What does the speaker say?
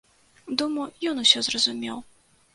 Думаю, ён усё зразумеў.